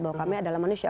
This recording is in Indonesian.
bahwa kami adalah manusia